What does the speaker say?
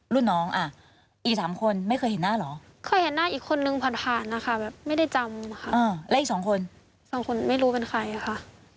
รุ่นน้องอ่ะอีกสามคนไม่เคยเห็นหน้าเหรอเคยเห็นหน้าอีกคนนึงผ่านผ่านนะคะแบบไม่ได้จำค่ะและอีกสองคนสองคนไม่รู้เป็นใครค่ะ